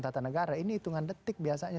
tata negara ini hitungan detik biasanya